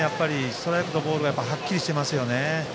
ストライクとボールがはっきりしていますよね。